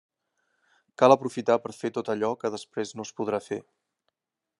Cal aprofitar per fer tot allò que després no es podrà fer.